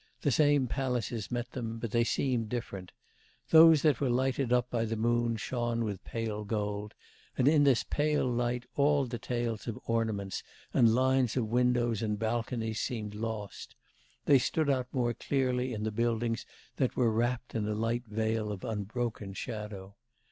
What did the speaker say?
The same palaces met them, but they seemed different. Those that were lighted up by the moon shone with pale gold, and in this pale light all details of ornaments and lines of windows and balconies seemed lost; they stood out more clearly in the buildings that were wrapped in a light veil of unbroken shadow.